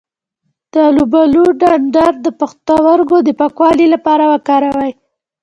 د الوبالو ډنډر د پښتورګو د پاکوالي لپاره وکاروئ